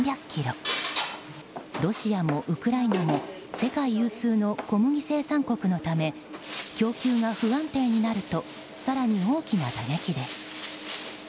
ロシアもウクライナも世界有数の小麦生産国のため供給が不安定になると更に大きな打撃です。